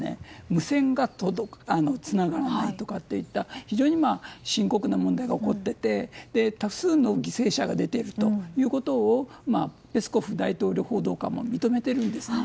無線がつながらないとかといった非常に深刻な問題が起こっていて多数の犠牲者が出ているということをペスコフ大統領報道官も認めているんですね。